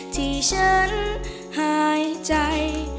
ที่ฉันหายใจ